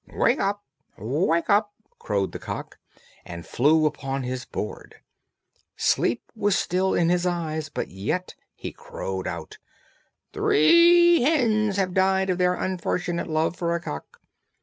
"Wake up! wake up!" crowed the cock, and flew upon his board. Sleep was still in his eyes, but yet he crowed out: "Three hens have died of their unfortunate love for a cock.